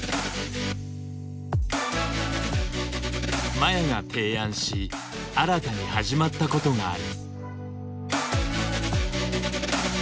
麻也が提案し新たに始まったことがある。